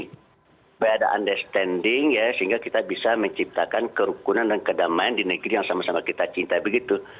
supaya ada understanding ya sehingga kita bisa menciptakan kerukunan dan kedamaian di negeri yang sama sama kita cintai begitu